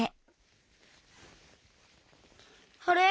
あれ？